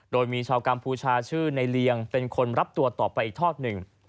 โดยมีชาวกัมพูชาชื่อในเลียงเป็นคนรับตัวต่อไปอีกทอดหนึ่ง